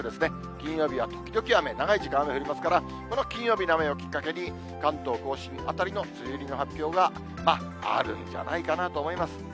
金曜日は時々雨、長い時間、雨降りますから、この金曜日の雨をきっかけに、関東甲信辺りの梅雨入りの発表があるんじゃないかなと思います。